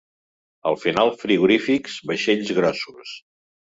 Al final frigorífics, vaixells grossos.